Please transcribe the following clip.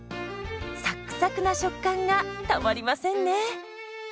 サックサクな食感がたまりませんね。